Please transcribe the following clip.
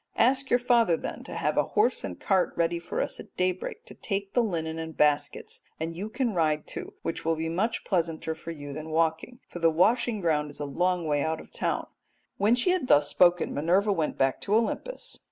Ask your father, then, to have a horse and cart ready for us at daybreak to take the linen and baskets, and you can ride too, which will be much pleasanter for you than walking, for the washing ground is a long way out of the town.' "When she had thus spoken Minerva went back to Olympus.